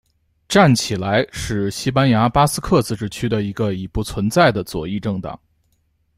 站起来是西班牙巴斯克自治区的一个已不存在的左翼政党。